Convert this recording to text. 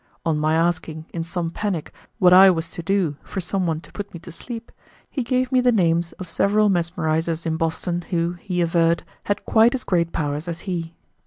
On my asking, in some panic, what I was to do for some one to put me to sleep, he gave me the names of several mesmerizers in Boston who, he averred, had quite as great powers as he.